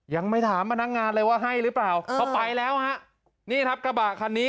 ยังไม่ถามพนักงานเลยว่าให้หรือเปล่าเขาไปแล้วฮะนี่ครับกระบะคันนี้